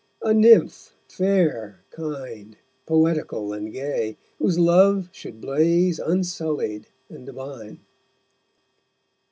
A Nymph fair, kind, poetical and gay Whose Love should blaze, unsullied and divine.